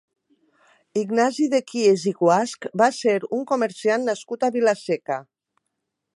Ignasi de Kies i Guasch va ser un comerciant nascut a Vila-seca.